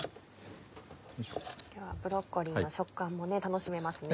今日はブロッコリーの食感も楽しめますね。